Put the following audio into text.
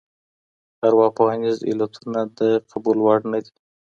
ارواپوهنیز علتونه د قبول وړ نه دي.